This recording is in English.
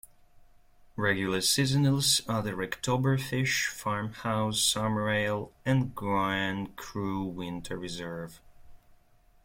Regular seasonals are the Oktoberfish, Farmhouse Summer Ale, and Grand Cru Winter Reserve.